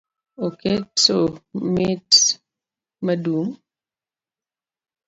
Oketo mit madung’